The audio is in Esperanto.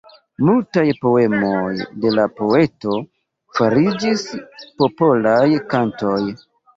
Multaj poemoj de la poeto fariĝis popolaj kantoj.